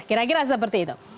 kira kira seperti itu